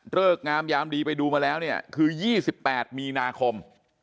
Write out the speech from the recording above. งามยามดีไปดูมาแล้วเนี่ยคือ๒๘มีนาคม